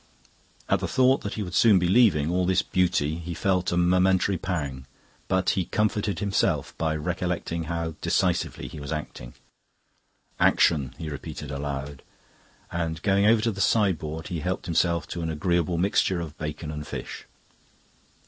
At the thought that he would soon be leaving all this beauty he felt a momentary pang; but he comforted himself by recollecting how decisively he was acting. "Action," he repeated aloud, and going over to the sideboard he helped himself to an agreeable mixture of bacon and fish.